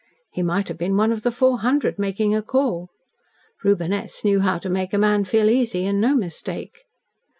He might have been one of the Four Hundred making a call. Reuben S. knew how to make a man feel easy, and no mistake.